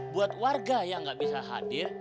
buat warga yang nggak bisa hadir